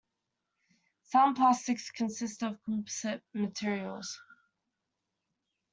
Some plastics consist of composite materials.